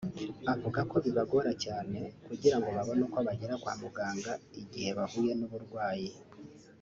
avuga ko bibagora cyane kugirango babone uko bagera kwa muganga igihe bahuye n’uburwayi